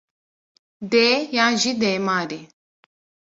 Dê yan jî dêmarî?